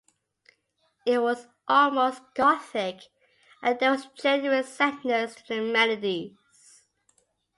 It was almost gothic, and there was a genuine sadness to the melodies.